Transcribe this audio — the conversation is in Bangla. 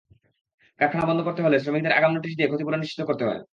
কারখানা বন্ধ করতে হলে শ্রমিকদের আগাম নোটিশ দিয়ে ক্ষতিপূরণ নিশ্চিত করতে হয়।